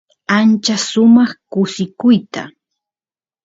ancha sumaq kusikuyta